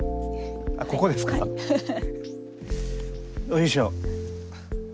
よいしょ。